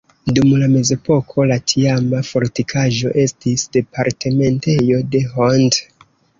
Dum la mezepoko la tiama fortikaĵo estis departementejo de Hont.